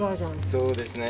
そうですね。